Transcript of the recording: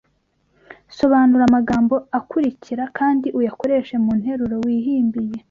Sobanura amagambo akurikira kandi uyakoreshe mu nteruro wihimbiye